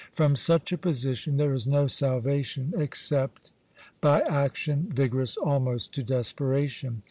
From such a position there is no salvation except by action vigorous almost to desperation.